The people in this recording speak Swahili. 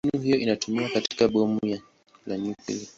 Mbinu hiyo inatumiwa katika bomu la nyuklia.